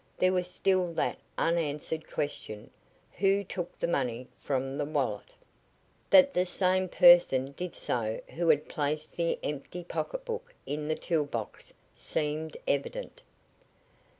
There was still that unanswered question: "Who took the money from the wallet?" That the same person did so who had placed the empty pocketbook in the tool box seemed evident.